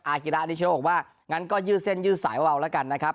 อาร์กีฬาที่ฉันบอกว่างั้นก็ยืดเส้นยืดสายเวลาแล้วกันนะครับ